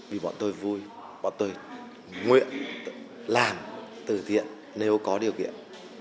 vì bọn tôi vui bọn tôi nguyện làm từ thiện nếu có điều kiện